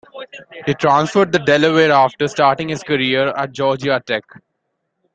He transferred to Delaware after starting his career at Georgia Tech.